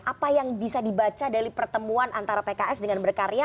apa yang bisa dibaca dari pertemuan antara pks dengan berkarya